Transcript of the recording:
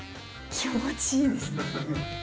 気持ちいいですね。